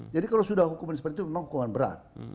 jadi kalau sudah hukuman seperti itu memang hukuman berat